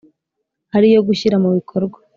ari iyo gushyira mu bikorwa